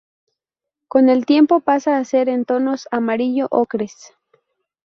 Con el tiempo pasa a ser en tonos amarillo-ocres.